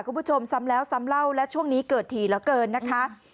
คุณผู้ชมซ้ำแล้วซ้ำเล่าและช่วงนี้เกิดถี่เหลือเกินนะคะ